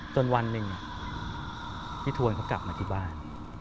วันหนึ่งพี่ทวนเขากลับมาที่บ้าน